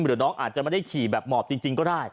หรือน้องอาจจะไม่ได้ขี่แบบหมอบจริงก็ได้